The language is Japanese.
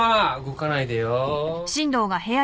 動かないでよ。